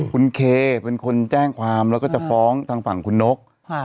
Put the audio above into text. คุณเคเป็นคนแจ้งความแล้วก็จะฟ้องทางฝั่งคุณนก